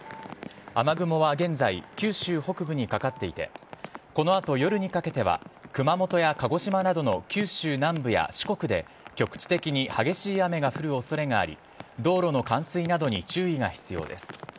雨雲は現在九州北部にかかっていてこの後、夜にかけては熊本や鹿児島などの九州南部や四国で局地的に激しい雨が降る恐れがあり道路の冠水などに注意が必要です。